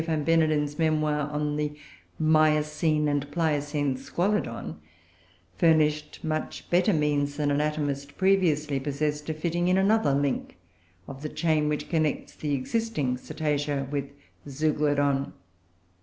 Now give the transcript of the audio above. Van Beneden's memoir on the Miocene and Pliocene Squalodon, furnished much better means than anatomists previously possessed of fitting in another link of the chain which connects the existing Cetacea with Zeuglodon.